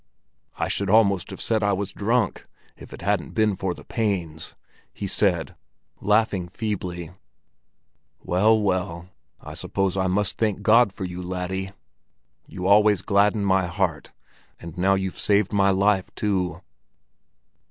"I should almost have said I was drunk, if it hadn't been for the pains!" he said, laughing feebly. "Well, well, I suppose I must thank God for you, laddie. You always gladden my heart, and now you've saved my life, too."